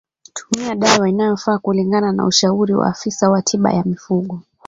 Tumia dawa inayofaa kulingana na ushauri wa afisa wa tiba ya mifugo